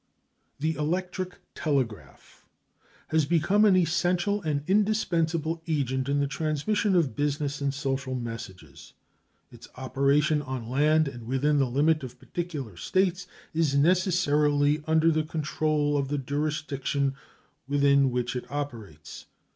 The electric telegraph has become an essential and indispensable agent in the transmission of business and social messages. Its operation on land, and within the limit of particular states, is necessarily under the control of the jurisdiction within which it operates.